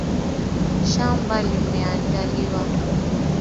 Shamba limeandaliwa.